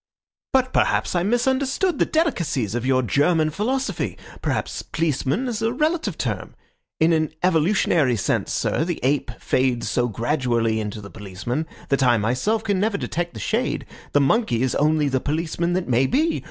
"But perhaps I misunderstood the delicacies of your German philosophy. Perhaps policeman is a relative term. In an evolutionary sense, sir, the ape fades so gradually into the policeman, that I myself can never detect the shade. The monkey is only the policeman that may be.